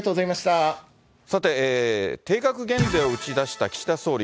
さて、定額減税を打ち出した岸田総理。